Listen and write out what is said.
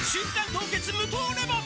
凍結無糖レモン」